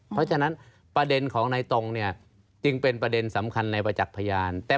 เพราะฉะนั้นประเด็นของนายตรงเนี่ยจึงเป็นประเด็นสำคัญในประจักษ์พยาน